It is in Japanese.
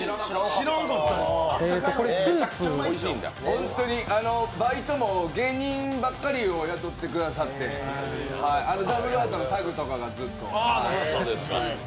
本当にバイトも芸人ばっかりを雇ってくださって、ダブルアートのタクとかがずっと。